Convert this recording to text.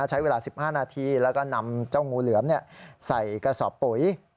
ใช้เวลา๑๕นาทีแล้วก็นำเจ้างูเหลือมใส่กระสอบปุ๋ย